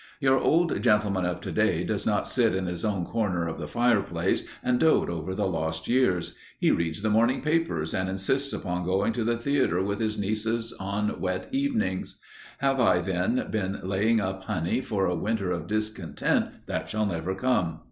Your old gentleman of today does not sit in his own corner of the fireplace and dote over the lost years; he reads the morning papers, and insists upon going to the theatre with his nieces on wet evenings. Have I, then, been laying up honey for a winter of discontent that shall never come?